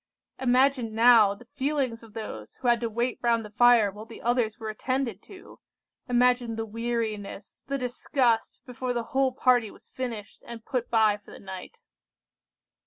"Imagine now the feelings of those who had to wait round the fire while the others were attended to! Imagine the weariness, the disgust, before the whole party was finished, and put by for the night!"